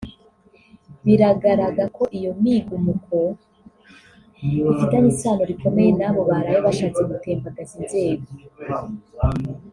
Biragaraga ko iyo migumuko ifitaniye isano rikomeye n'abo baraye bashatse gutembagaza inzego